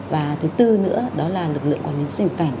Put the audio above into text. và thứ tư nữa đó là lực lượng quản lý xuất nhập cảnh